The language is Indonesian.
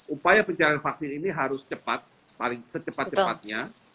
upaya pencarian vaksin ini harus cepat paling secepat cepatnya